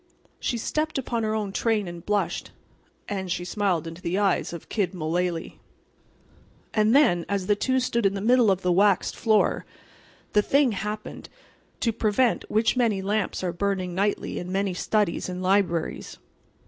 She stepped upon her own train and blushed, and—she smiled into the eyes of Kid Mullaly. And then, as the two stood in the middle of the waxed floor, the thing happened to prevent which many lamps are burning nightly in many studies and libraries.